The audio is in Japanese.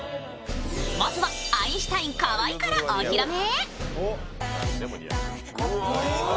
まずはアインシュタイン・河井からお披露目。